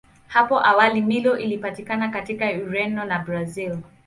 Hapo awali Milo ilipatikana katika Ureno na Brazili.